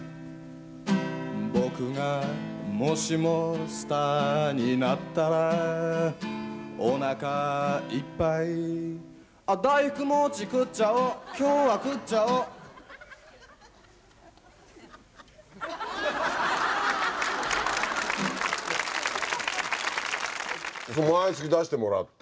僕がもしもスターになったらおなかいっぱい大福餅食っちゃお今日は食っちゃお毎月出してもらって。